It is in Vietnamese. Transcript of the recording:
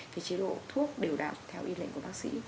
cái chế độ thuốc đều đạo theo ý lệnh của bác sĩ